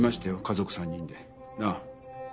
家族３人で。なあ？